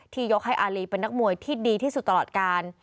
ยกให้อารีเป็นนักมวยที่ดีที่สุดตลอดการ